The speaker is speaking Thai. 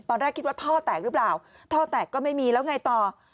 ตอนแรกคิดว่าท่อแตกหรือเปล่าท่อแตกก็ไม่มีแล้วไงต่อ